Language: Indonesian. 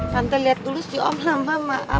tante liat dulu si om lama maaf